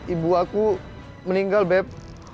ibu aku meninggal beb